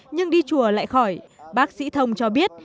nhưng đi chùa lại khỏi bác sĩ thông cho biết